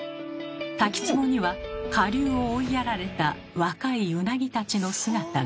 滝つぼには下流を追いやられた若いウナギたちの姿が。